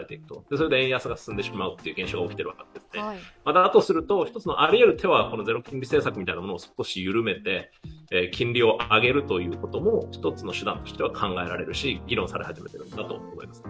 それで円安が進んでしまう現象が起きているのでだとすると、ありうる手はゼロ金利政策のようなものを少し緩めて金利を上げるということも一つの手段としては考えられるし議論され始めているんだと思います。